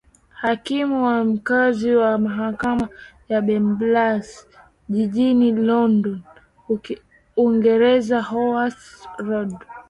hakimu wa mkaazi wa mahakama ya belmas jijini london uingereza howart riddle